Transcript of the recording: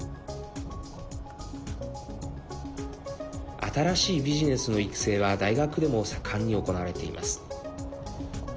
新しいビジネスの育成は大学でも盛んに行われています。